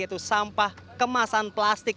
yaitu sampah kemasan plastik